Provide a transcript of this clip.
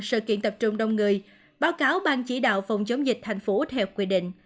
sự kiện tập trung đông người báo cáo bang chỉ đạo phòng chống dịch thành phố theo quy định